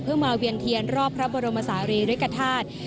เพื่อมาเวียนเทียนรอบพระบรมศาลีริกฐาตุ